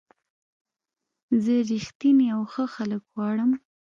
زه رښتیني او ښه خلک غواړم.